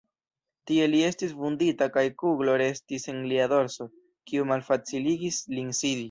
Tie li estis vundita kaj kuglo restis en lia dorso, kiu malfaciligis lin sidi.